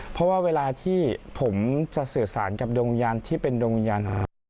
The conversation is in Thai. เพราะว่าเวลาที่ผมจะสื่อสารกับดงยานที่เป็นดงยาน